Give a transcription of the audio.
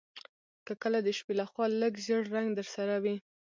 که کله د شپې لخوا لږ ژیړ رنګ درسره وي